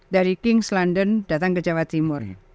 dari king s london datang ke jawa timur